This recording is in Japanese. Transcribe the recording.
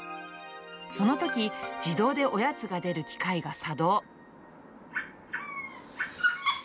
そのとき、自動でおやつが出る機械が作動。